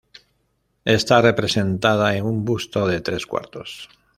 Está representada en un busto de tres cuartos.